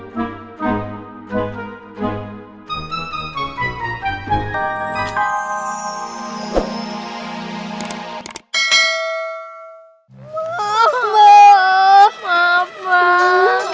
gak ada gak ada mbak